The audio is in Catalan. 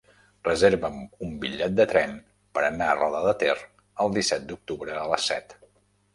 Reserva'm un bitllet de tren per anar a Roda de Ter el disset d'octubre a les set.